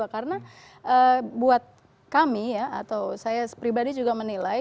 karena buat kami ya atau saya pribadi juga menilai